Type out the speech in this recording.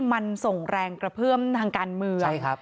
มันส่งแรงกระเพื่อมทางการเมืองใช่ครับ